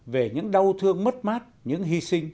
về những đau thương mất mát những hy sinh